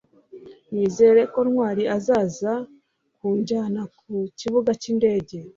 nizere ko ntwali azaza kunjyana ku kibuga cy'indege